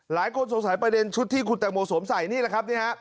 หลายคนสงสัยประเด็นชุดที่คุณแตงโมสวมใส่นี่แหละครับนี่ฮะ